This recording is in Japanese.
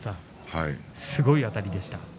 すごいあたりでした。